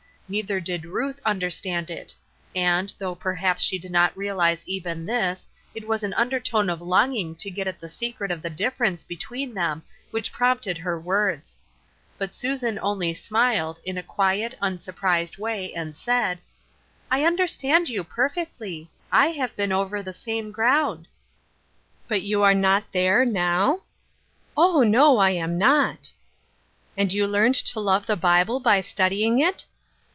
Neither did Ruth understand it ; and, though perhaps she did not realize even this, it was an under tone of longing to get at the secret of the dif ference between them which prompted her jTords. But Susan only smiled, in a quiet, un iurprised way, and said :" I understand you perfectly ; I have been » ver the same ground." " But you are not there, now ?"" Oh, no, I am not." "^ And you learned to love the Bible by study ing it